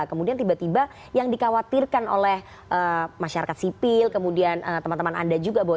kemudian tiba tiba yang dikhawatirkan oleh masyarakat sipil kemudian teman teman anda juga bahwa